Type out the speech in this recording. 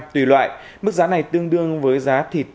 tùy loại mức giá này tương đương với giá thịt